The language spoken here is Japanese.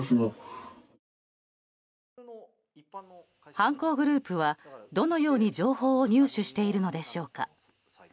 犯行グループはどのように情報を入手しているのでしょうか。